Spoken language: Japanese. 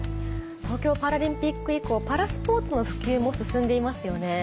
東京パラリンピック以降パラスポーツの普及も進んでいますよね。